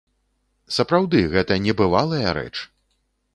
Сапраўды, гэта небывалая рэч!